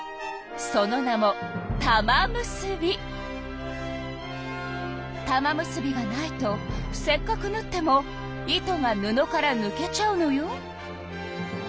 その名も玉結びがないとせっかくぬっても糸が布からぬけちゃうのよ。